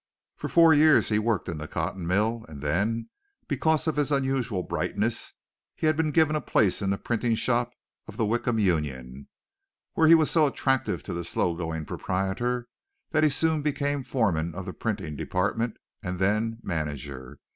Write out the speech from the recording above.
For four years he worked in the cotton mill, and then, because of his unusual brightness, he had been given a place in the printing shop of the Wickham Union, where he was so attractive to the slow going proprietor that he soon became foreman of the printing department and then manager.